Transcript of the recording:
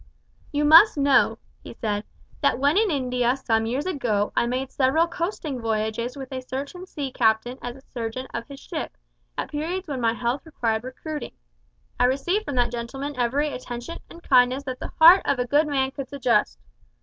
"You must know," he said, "that when in India some years ago I made several coasting voyages with a certain sea captain as surgeon of his ship, at periods when my health required recruiting. I received from that gentleman every attention and kindness that the heart of a good man could suggest.